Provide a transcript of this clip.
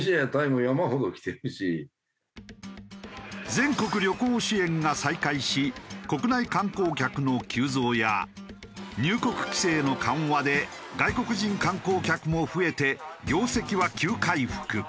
全国旅行支援が再開し国内観光客の急増や入国規制の緩和で外国人観光客も増えて業績は急回復。